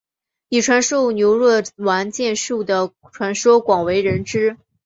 以传授牛若丸剑术的传说广为人知。